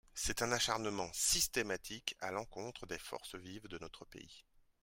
C’est un acharnement systématique à l’encontre des forces vives de notre pays.